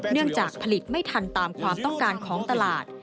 จากผลิตไม่ทันตามความต้องการของตลาด